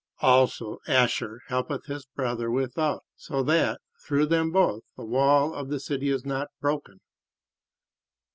Also Asher helpeth his brother without, so that, through them both, the wall of the city is not broken.